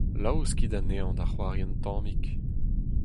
Laoskit anezhañ da c'hoari un tammig.